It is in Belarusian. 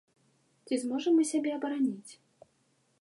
Ці зможам мы сябе абараніць?